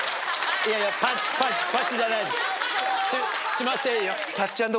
しませんよ。